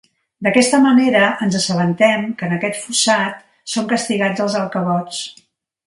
D'aquesta manera, ens assabentem que en aquest fossat, són castigats els alcavots.